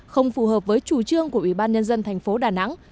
không phù hợp với chủ trương của ủy ban nhân dân thành phố đà nẵng